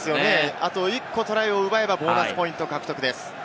あと１個トライを奪えばボーナスポイント獲得です。